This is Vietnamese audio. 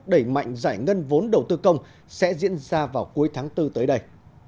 đẩy mạnh giải ngân vốn đầu tư công sẽ diễn ra vào cuối tháng bốn tới đây